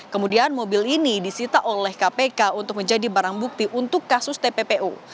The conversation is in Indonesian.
kemudian mobil ini disita oleh kpk untuk menjadi barang bukti untuk kasus tppu